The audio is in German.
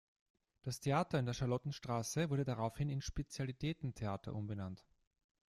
Das Theater in der Charlottenstraße wurde daraufhin in "Spezialitäten-Theater" umbenannt.